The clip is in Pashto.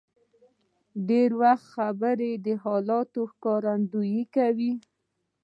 ډېر وخت خبرې د حالاتو ښکارندویي کوي.